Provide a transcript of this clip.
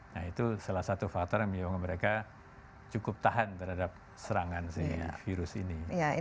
nah itu salah satu faktor yang menyebabkan mereka cukup tahan terhadap serangan virus ini